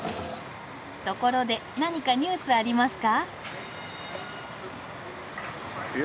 ところで何かニュースありますか？